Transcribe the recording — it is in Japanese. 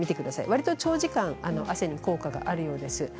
わりと長時間、汗に効果があるようです。